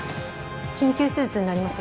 緊急手術になります。